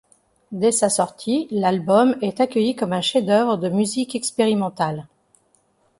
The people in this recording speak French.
Dès sa sortie l'album est accueilli comme un chef d'œuvre de musique expérimentale.